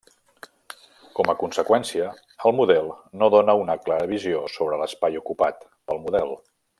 Com a conseqüència, el model no dóna una clara visió sobre l'espai ocupat pel model.